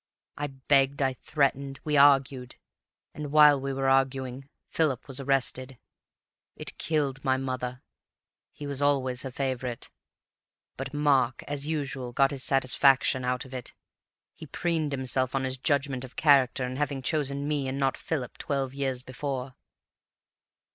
I begged, I threatened, we argued; and while we were arguing, Philip was arrested. It killed my mother—he was always her favourite—but Mark, as usual, got his satisfaction out of it. He preened himself on his judgment of character in having chosen me and not Philip twelve years before!